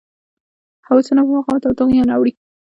هوسونه په بغاوت او طغیان اوړي.